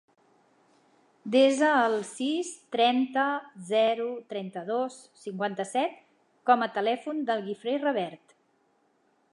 Desa el sis, trenta, zero, trenta-dos, cinquanta-set com a telèfon del Guifré Revert.